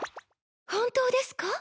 本当ですか？